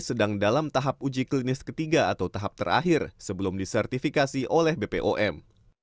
sedang dalam tahap uji klinis ketiga atau tahap terakhir sebelum disertifikasi oleh bpom